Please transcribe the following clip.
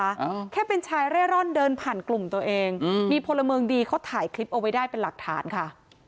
อ่าแค่เป็นชายเร่ร่อนเดินผ่านกลุ่มตัวเองอืมมีพลเมืองดีเขาถ่ายคลิปเอาไว้ได้เป็นหลักฐานค่ะ